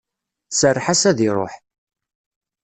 Serreḥ-as ad iruḥ.